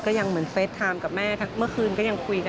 ยังเหมือนเฟสไทม์กับแม่เมื่อคืนก็ยังคุยกัน